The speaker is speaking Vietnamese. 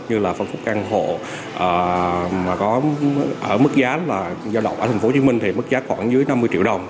như là phân khúc căn hộ mà có ở mức giá là do độc ở tp hcm thì mức giá khoảng dưới năm mươi triệu đồng